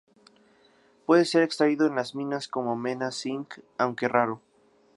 Puede ser extraído en las minas como mena de cinc, aunque raro.